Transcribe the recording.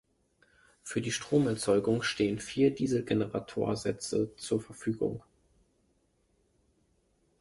Für die Stromerzeugung stehen vier Dieselgeneratorsätze zur Verfügung.